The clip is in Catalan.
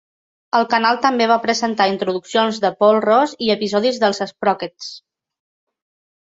El canal també va presentar introduccions de Paul Ross i episodis dels Sprockets.